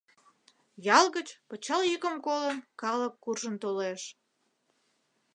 Ял гыч, пычал йӱкым колын, калык куржын толеш.